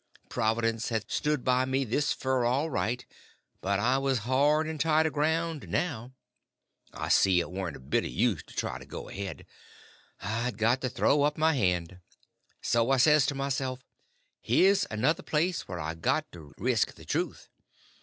Providence had stood by me this fur all right, but I was hard and tight aground now. I see it warn't a bit of use to try to go ahead—I'd got to throw up my hand. So I says to myself, here's another place where I got to resk the truth.